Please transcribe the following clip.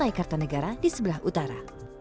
dan di jakarta negara di sebelah utara